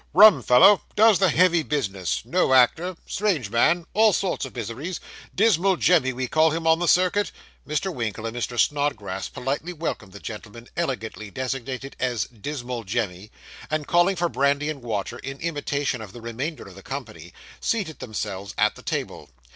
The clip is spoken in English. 'Rum fellow does the heavy business no actor strange man all sorts of miseries Dismal Jemmy, we call him on the circuit.' Mr. Winkle and Mr. Snodgrass politely welcomed the gentleman, elegantly designated as 'Dismal Jemmy'; and calling for brandy and water, in imitation of the remainder of the company, seated themselves at the table.